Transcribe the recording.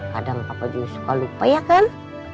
kadang papa juga suka lupa ya kan